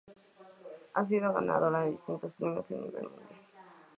Ha sido ganadora de distintos premios a nivel mundial.